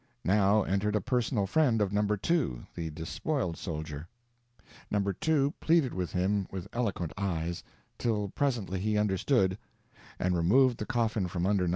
Now entered a personal friend of No. 2, the despoiled soldier. No. 2 pleaded with him with eloquent eyes, till presently he understood, and removed the coffin from under No.